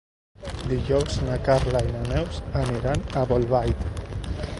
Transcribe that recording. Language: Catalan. Dijous na Carla i na Neus aniran a Bolbait.